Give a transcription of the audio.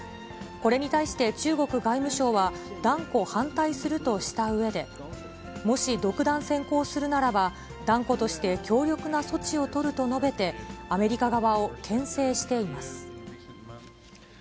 これに対して、中国外務省は断固反対するとしたうえで、もし独断専行するならば、断固として強力な措置を取ると述べて、アメリカ側をけん制しています。